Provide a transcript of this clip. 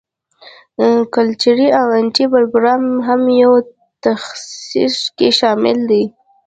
کلچر او انټي بایوګرام هم په تشخیص کې شامل دي.